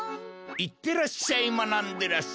いってらっしゃいまなんでらっしゃい。